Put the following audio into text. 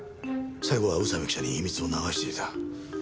最後は宇佐美記者に秘密を流していた。